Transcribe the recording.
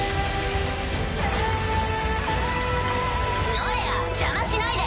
ノレア邪魔しないで。